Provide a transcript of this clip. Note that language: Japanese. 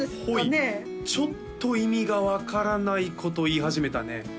ほいちょっと意味が分からないこと言い始めたね